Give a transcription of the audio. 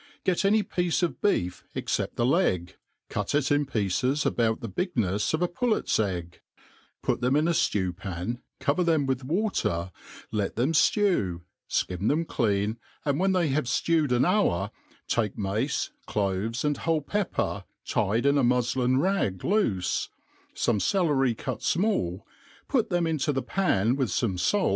GET any piece of beef, except the leg, cut lit in piecet «bout the bignefs of a pullet's egg, put them in a ftew*pan, cover them with water, let them liew, ikim them clean, and wJien they have flewf d an hour, take mace, cloves, and whole f>epper tied in a muflia rag Joofe, fome celery cut fmall, put them into the pan with <fome fak